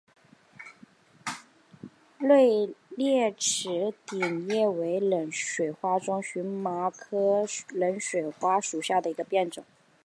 锐裂齿顶叶冷水花为荨麻科冷水花属下的一个变种。